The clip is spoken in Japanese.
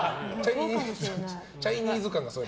チャイニーズ感がすごい。